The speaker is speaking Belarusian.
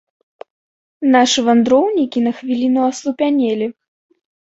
Нашы вандроўнікі на хвіліну аслупянелі.